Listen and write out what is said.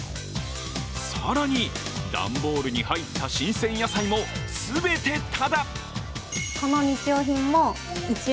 更に、段ボールに入った新鮮野菜も全てタダ。